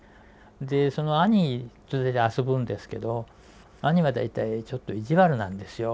でその兄と遊ぶんですけど兄は大体ちょっと意地悪なんですよ。